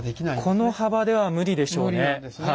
この幅では無理でしょうね。